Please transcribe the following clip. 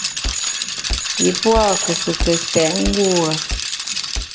Yi pua’ nkùfùke sèt ngure.